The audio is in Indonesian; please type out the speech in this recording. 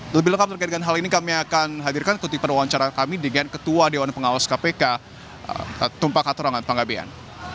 lebih lengkap terkait dengan hal ini kami akan hadirkan kutipan wawancara kami dengan ketua dewan pengawas kpk tumpah hatorangan panggabean